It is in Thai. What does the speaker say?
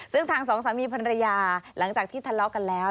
ซึ่งทางสองสามีภรรยาหลังจากที่ทะเลาะกันแล้ว